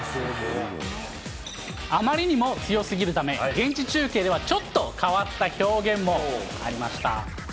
あまりにも強すぎるため、現地中継ではちょっと変わった表現もありました。